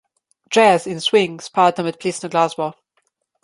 Džez in sving spadata med plesno glasbo.